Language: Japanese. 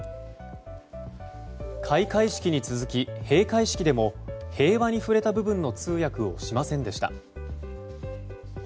開会式に続き閉会式でも平和に触れた部分の通訳をしませんでした。